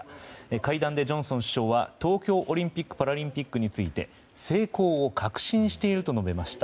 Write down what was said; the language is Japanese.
会談でジョンソン首相は東京オリンピック・パラリンピックについて成功を確信していると述べました。